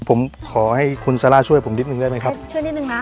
ผมขอให้คุณซาร่าช่วยผมนิดนึงได้ไหมครับช่วยนิดนึงนะ